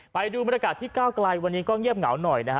ไปดูบรรยากาศที่ก้าวไกลวันนี้ก็เงียบเหงาหน่อยนะฮะ